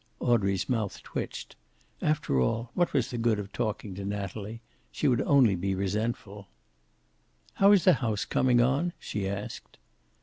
Audrey's mouth twitched. After all, what was the good of talking to Natalie. She would only be resentful. "How is the house coming on?" she asked.